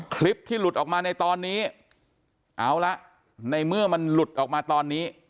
คลิปที่หลุดออกมาในตอนนี้เอาละในเมื่อมันหลุดออกมาตอนนี้